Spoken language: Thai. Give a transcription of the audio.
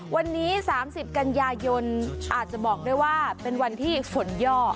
วันนี้๓๐กันยายนอาจจะบอกได้ว่าเป็นวันที่ฝนย่อ